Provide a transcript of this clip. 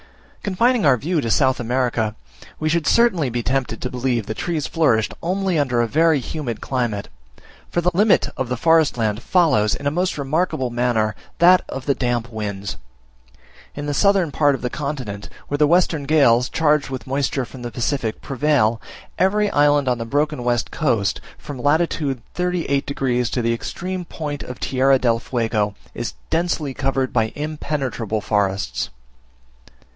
Confining our view to South America, we should certainly be tempted to believe that trees flourished only under a very humid climate; for the limit of the forest land follows, in a most remarkable manner, that of the damp winds. In the southern part of the continent, where the western gales, charged with moisture from the Pacific, prevail, every island on the broken west coast, from lat. 38 degs. to the extreme point of Tierra del Fuego, is densely covered by impenetrable forests.